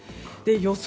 予想